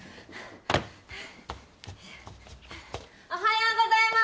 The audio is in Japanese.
おはようございまーす！